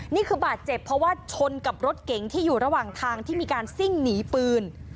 นี่คือบาดเจ็บเพราะว่าชนกับรถเก๋งที่อยู่ระหว่างทางที่มีการซิ่งหนีปืน